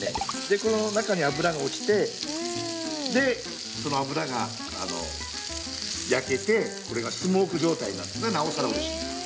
この中に脂が落ちてでその脂が焼けてこれがスモーク状態になってなおさらおいしい。